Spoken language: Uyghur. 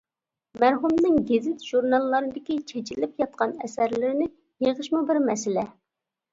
مەرھۇمنىڭ گېزىت-ژۇرناللاردىكى چېچىلىپ ياتقان ئەسەرلىرىنى يىغىشمۇ بىر مەسىلە.